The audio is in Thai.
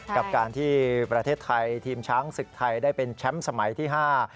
กับการที่ประเทศไทยทีมช้างศึกไทยได้เป็นแชมป์สมัยที่ห้า